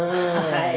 はい。